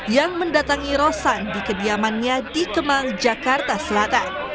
yang mendatangi rosan di kediamannya di kemang jakarta selatan